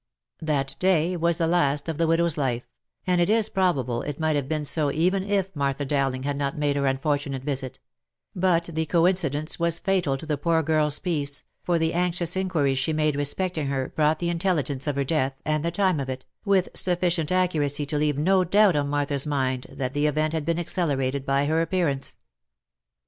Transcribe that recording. " That day was the last of the widow's life, and it is probable it might have been so, even if Martha Dowling had not made her unfortunate visit ; but the coincidence was fatal to the poor girl's peace, for the anxious inquiries she made respecting her, brought the intelligence of 294 THE LIFE AND ADVENTURES her death, and the time of it, with sufficient accuracy to leave no doubt on Martha's mind, that the event had been accelerated by her appearance.